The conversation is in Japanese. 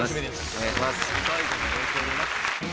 お願いします。